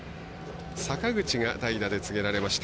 坂口が代打で告げられました。